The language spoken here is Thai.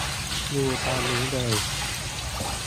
ดูตอนนี้เลย